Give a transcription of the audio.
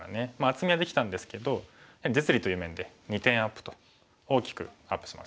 厚みはできたんですけど実利という面で２点アップと大きくアップしましたね。